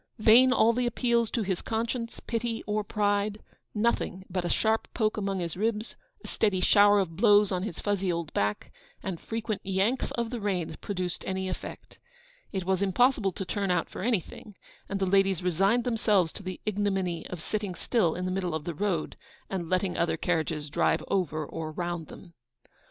Vain all the appeals to his conscience, pity, or pride: nothing but a sharp poke among his ribs, a steady shower of blows on his fuzzy old back, and frequent 'yanks' of the reins produced any effect. It was impossible to turn out for anything, and the ladies resigned themselves to the ignominy of sitting still, in the middle of the road, and letting other carriages drive over or round them.